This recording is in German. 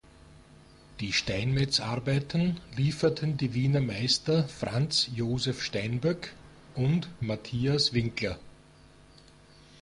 Die Steinmetzarbeiten lieferten die Wiener Meister Franz Joseph Steinböck und Matthias Winkler.